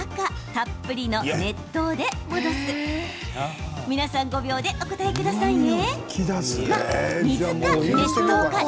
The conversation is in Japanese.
・たっぷりの熱湯で戻す皆さん５秒でお答えくださいね。